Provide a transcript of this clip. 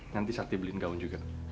nanti sakti beliin gaun juga